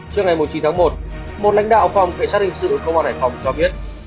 trước ngày một mươi chín tháng một một lãnh đạo phòng kệ sát hình sự công an hải phòng cho biết